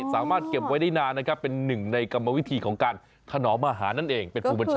สามารถเก็บไว้ได้นานนะครับเป็นหนึ่งในกรรมวิธีของการถนอมอาหารนั่นเองเป็นครูบัญชา